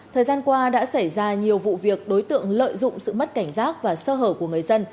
thời gian qua đã xảy ra nhiều vụ việc đối tượng lợi dụng sự mất cảnh giác và sơ hở của người dân